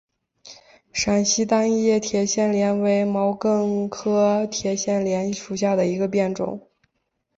陕南单叶铁线莲为毛茛科铁线莲属下的一个变种。